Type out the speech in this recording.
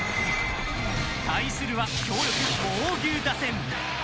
対するは強力猛牛打線。